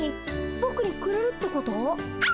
ぼくにくれるってこと？